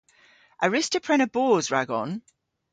A wruss'ta prena boos ragon?